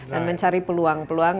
dan mencari peluang peluang